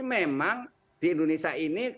memang di indonesia ini